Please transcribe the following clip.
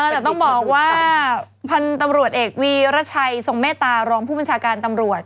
แต่ต้องบอกว่าพันธุ์ตำรวจเอกวีรชัยทรงเมตตารองผู้บัญชาการตำรวจ